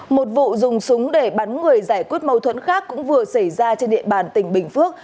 một vụ dùng súng để bắn người giải quyết mâu thuẫn khác cũng vừa xảy ra trên địa bàn tỉnh bình phước